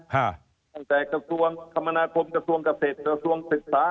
กระทรวงคมนาคมกระทรวงเกษตรกระทรวงศึกษา